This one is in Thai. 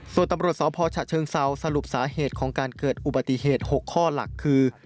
ส่วนตำรวจสพฉเชิงเซาสรุปสาเหตุของการเกิดอุบัติเหตุ๖ข้อหลักคือ